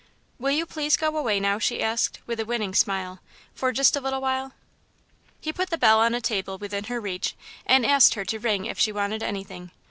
"Will you please go away now," she asked, with a winning smile, "for just a little while?" He put the bell on a table within her reach and asked her to ring if she wanted anything.